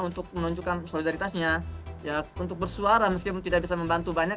untuk menunjukkan solidaritasnya untuk bersuara meskipun tidak bisa membantu banyak